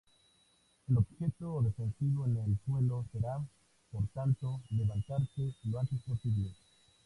El objetivo defensivo en el suelo será, por tanto, levantarse lo antes posible.